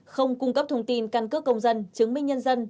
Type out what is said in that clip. không cung cấp thông tin căn cước công dân chứng minh nhân dân